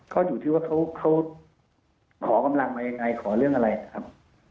ก็อยู่ที่ว่าเขาขอกำลังมายังไงขอเรื่องอะไรนะครับ